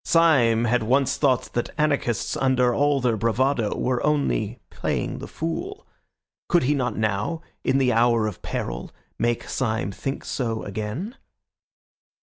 Syme had once thought that anarchists, under all their bravado, were only playing the fool. Could he not now, in the hour of peril, make Syme think so again?